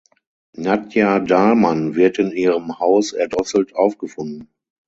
Nadja Dahlmann wird in ihrem Haus erdrosselt aufgefunden.